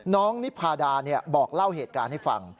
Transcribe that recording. นิพาดาบอกเล่าเหตุการณ์ให้ฟัง